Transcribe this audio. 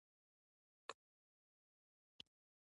زړه د بدن د دفاعي سیستم ملاتړ کوي.